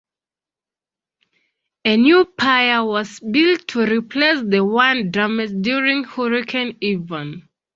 A new pier was built to replace the one damaged during Hurricane Ivan.